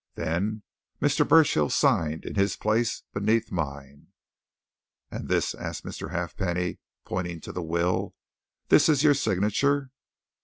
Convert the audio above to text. Then Mr. Burchill signed in his place beneath mine." "And this," asked Mr. Halfpenny, pointing to the will, "this is your signature?"